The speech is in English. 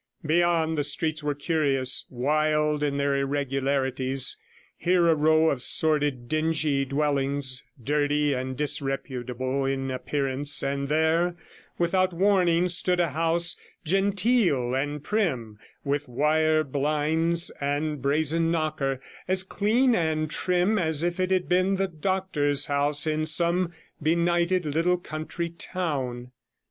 Beyond, the streets were curious, wild in their irregularities, here a row of sordid, dingy dwellings, dirty and disreputable in appearance, and there, without warning, stood a house, genteel and prim, with wire blinds and brazen knocker, as clean and trim as if it had been the doctor's house in some benighted little country town.